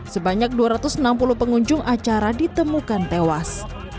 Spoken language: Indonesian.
sebanyak dua ratus enam puluh pengunjung acara ditemukan tewas